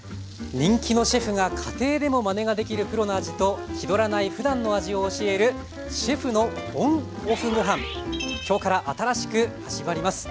人気のシェフが家庭でもまねができるプロの味と気取らないふだんの味を教える今日から新しく始まります。